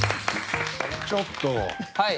ちょっと。